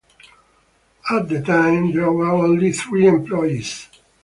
At the time, there were only three employees.